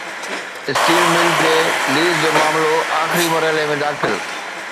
steel mills جي lease جو معاملو آخري مرحلي ۾ داخل